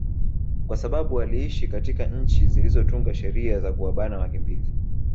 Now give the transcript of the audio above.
kwa sababu waliiishi katika nchi zilizotunga sheria za kuwabana wakimbizi